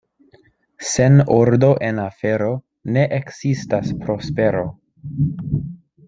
Sen ordo en afero ne ekzistas prospero.